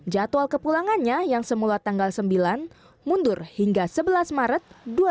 jadwal kepulangannya yang semula tanggal sembilan mundur hingga sebelas maret dua ribu dua puluh